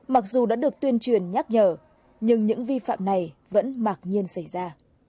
mặc dù đã được tuyên truyền nhắc nhở nhưng những vi phạm này vẫn mặc nhiên xảy ra